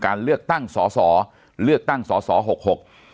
การเลือกตั้งศรเลือกตั้งศร๖๖